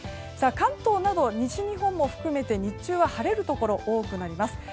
関東など西日本も含めて日中は晴れるところ多くなります。